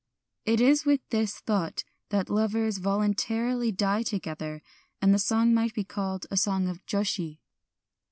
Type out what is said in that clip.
It is with this thought that lovers voluntarily die together ; and the song might be called a song of joshi.